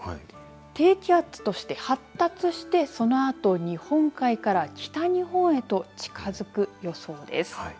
低気圧として発達してそのあと日本海から北日本へと近づく予想です。